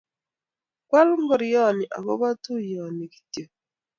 Kwa al ngoryonni akobo tuyo ni kityo.